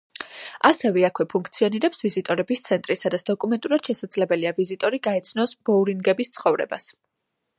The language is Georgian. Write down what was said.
ასევე აქვე ფუნქციონირებს ვიზიტორების ცენტრი, სადაც დოკუმენტურად შესაძლებელია ვიზიტორი გაეცნოს ბოურინგების ცხოვრებას.